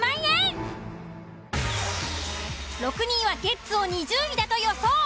６人はゲッツを２０位だと予想。